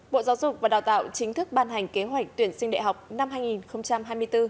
bộ giáo dục và đào tạo chính thức ban hành kế hoạch tuyển sinh đại học năm hai nghìn hai mươi bốn